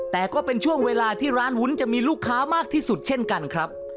แต่ก็เป็นช่วงเวลาที่ร้านวุ้นจะมีลูกค้ามากที่สุดเช่นกันครับ